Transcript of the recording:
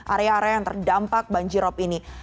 area area yang terdampak banjirop ini